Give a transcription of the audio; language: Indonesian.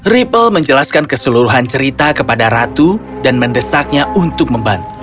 ripple menjelaskan keseluruhan cerita kepada ratu dan mendesaknya untuk membantu